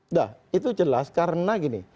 nah itu jelas karena gini